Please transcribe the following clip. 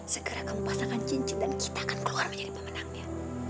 segera kamu pasangan cincin dan kita akan keluar menjadi pemenangnya